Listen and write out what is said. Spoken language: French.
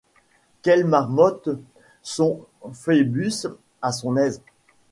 Qu’elle marmotte son Phœbus à son aise.